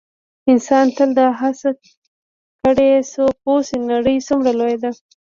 انسان تل دا هڅه کړې څو پوه شي نړۍ څومره لویه ده.